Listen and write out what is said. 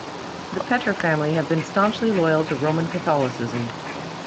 The Petre family have been staunchly loyal to Roman Catholicism.